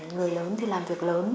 người lớn thì làm việc lớn